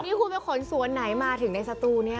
นี่คุณเป็นคนสวนไหนมาถึงในสตูเนี่ย